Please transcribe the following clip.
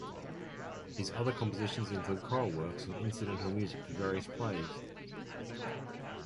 His other compositions include choral works and incidental music for various plays.